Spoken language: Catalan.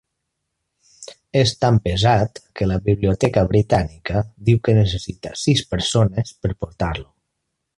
És tan pesat que la Biblioteca britànica diu que necessita sis persones per portar-lo.